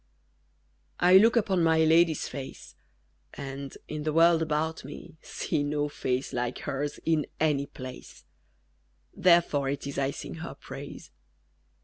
I look upon my lady's face, And, in the world about me, see No face like hers in any place: _Therefore it is I sing her praise.